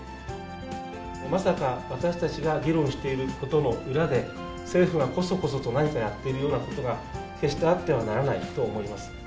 まさか私たちが議論していることの裏で、政府がこそこそと何かやっているようなことが決してあってはならないと思います。